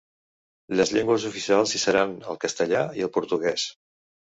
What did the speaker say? Les llengües oficials hi seran el castellà i el portuguès.